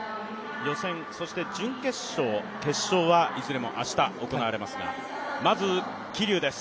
予選そして準決勝、決勝はいずれも明日、行われますがまず、桐生です。